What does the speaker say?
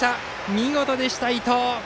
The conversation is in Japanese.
見事でした、伊藤！